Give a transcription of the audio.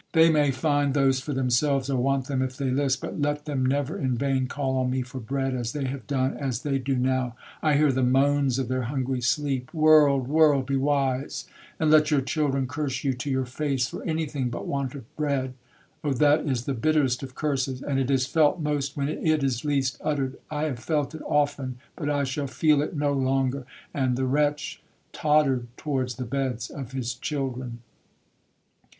They may find those for themselves, or want them if they list—but let them never in vain call on me for bread, as they have done,—as they do now! I hear the moans of their hungry sleep!—World—world, be wise, and let your children curse you to your face for any thing but want of bread! Oh that is the bitterest of curses,—and it is felt most when it is least uttered! I have felt it often, but I shall feel it no longer!'—And the wretch tottered towards the beds of his children.